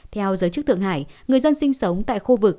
theo giới chức thượng hải người dân sinh sống tại khu vực